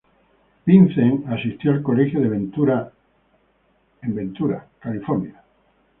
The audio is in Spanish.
Vincent asistió al Colegio de Ventura en Ventura, California.